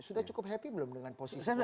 sudah cukup happy belum dengan posisi